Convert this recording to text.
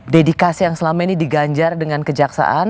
dedikasi yang selama ini diganjar dengan kejaksaan